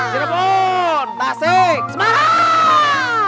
cirebon tasik semarang